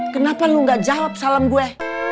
kenapa lu gak jawab salam gue